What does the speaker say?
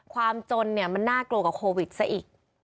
ความจนเนี่ยมันน่ากลัวกว่าโควิดซะอีก